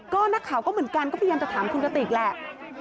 ก็นักข่าวก็เหมือนกันก็พยายามจะถามคุณกติกแหละ